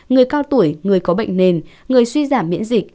người cao tuổi người có bệnh nền người suy giảm miễn dịch